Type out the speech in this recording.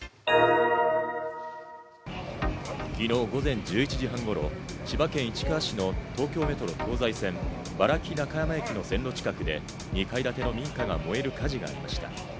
昨日午前１１時半頃、千葉県市川市の東京メトロ東西線・原木中山駅の線路近くで２階建ての民家が燃える火事がありました。